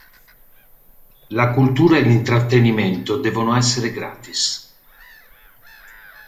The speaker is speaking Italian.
La cultura e l'intrattenimento devono essere gratis.